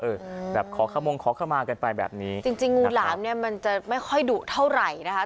แบบขอขมงขอขมากันไปแบบนี้จริงจริงงูหลามเนี้ยมันจะไม่ค่อยดุเท่าไหร่นะคะ